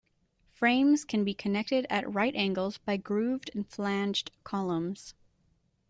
Frames can be connected at right angles by grooved and flanged columns.